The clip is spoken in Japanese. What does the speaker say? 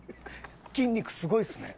筋肉すごいっすね。